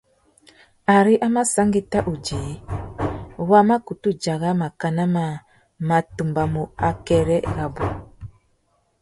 Ari a mà sangüetta udjï, wa mà kutu dzara màkánà mâā má tumbamú akêrê rabú.